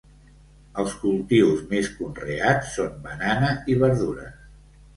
Els cultius més conreats són banana i verdures.